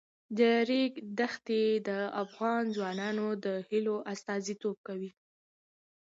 د ریګ دښتې د افغان ځوانانو د هیلو استازیتوب کوي.